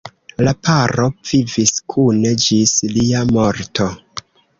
La paro vivis kune ĝis lia morto.